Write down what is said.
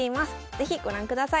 是非ご覧ください。